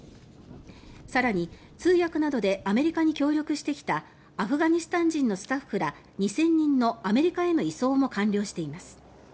更に、通訳などでアメリカに協力してきたアフガニスタン人のスタッフら２０００人のアメリカへの移送も完了しています。